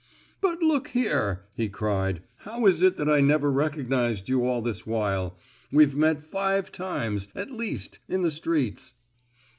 "But look here," he cried, "how is it that I never recognized you all this while?—we've met five times, at least, in the streets!"